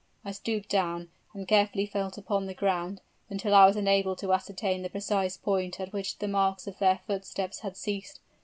I stooped down, and carefully felt upon the ground, until I was enabled to ascertain the precise point at which the marks of their footsteps had ceased.